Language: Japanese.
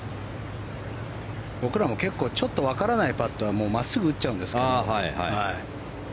僕らも結構ちょっとわからないパットはもう真っすぐ打っちゃうんですけど。